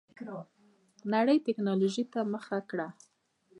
نړۍ ټيکنالوجۍ ته مخه کړه.